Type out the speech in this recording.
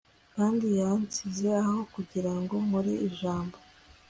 kandi yansize aho kugira ngo nkore ijambo